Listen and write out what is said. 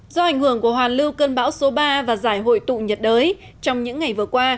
do ảnh hưởng của hoàn lưu cơn bão số ba và giải hội tụ nhiệt đới trong những ngày vừa qua